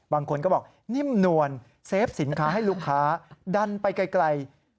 บางคนก็บอกนิ่มนวลเซฟสินค้าให้ลูกค้าดันไปไกล